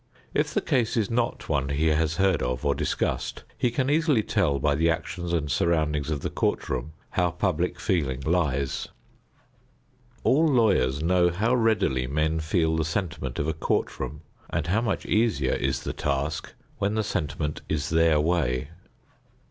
If the case is not one he has heard of or discussed, he can easily tell by the actions and surroundings of the court room how public feeling lies. All lawyers know how readily men feel the sentiment of a court room and how much easier is the task when the sentiment is their way.